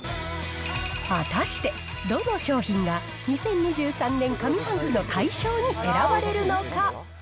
果たして、どの商品が２０２３年上半期の大賞に選ばれるのか。